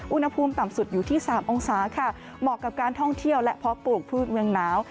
อุณหภูมิต่ำสุดอยู่ที่๓องศาค่ะเหมาะกับการท่องเที่ยวและเพาะปลูกพืชเมืองหนาว